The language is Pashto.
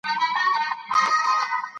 د اسلامي دولت خصوصیات پنځلس دي.